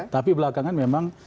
tapi belakangan memang